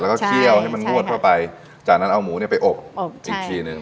แล้วก็เคี่ยวให้มันนวดเข้าไปจากนั้นเอาหมูเนี่ยไปอบอีกทีหนึ่ง